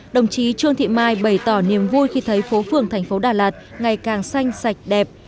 đồng chí trương thị mai bày tỏ niềm vui khi thấy phố phường thành phố đà lạt ngày càng xanh sạch đẹp